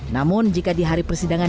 namun jika di hari persidangan